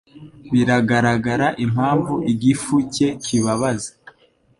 Biragaragara impamvu igifu cye kibabaza.